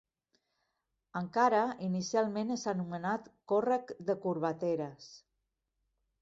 Encara, inicialment és anomenat Còrrec de Corbateres.